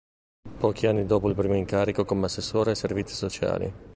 Pochi anni dopo il primo incarico come assessore ai Servizi sociali.